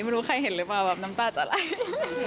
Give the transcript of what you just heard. ไม่รู้ใครเห็นหรือเปล่าแบบน้ำตาจะไหล